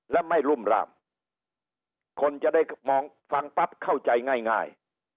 และไม่รุ่มร่ามคนจะได้มองฟังปั๊บเข้าใจง่าย